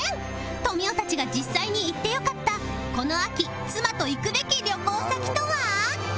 とみおたちが実際に行って良かったこの秋妻と行くべき旅行先とは？